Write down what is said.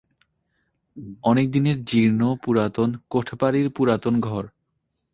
অনেকদিনের জীর্ণ পুরাতন কোঠ-বাড়ির পুরাতন ঘর।